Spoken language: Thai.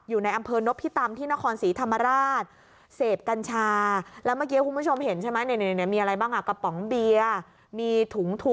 อยู่ในอำเภอนพิตำที่นครศรีธรรมราชเสพกัญชา